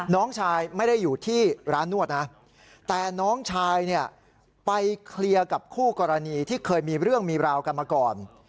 น้องชายไม่ได้อยู่ที่ร้านนวดนะแต่น้องชายเนี่ยไปเคลียร์กับคู่กรณีที่เคยมีเรื่องมีราวกันมาก่อน